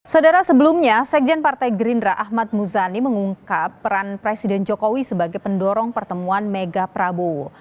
saudara sebelumnya sekjen partai gerindra ahmad muzani mengungkap peran presiden jokowi sebagai pendorong pertemuan mega prabowo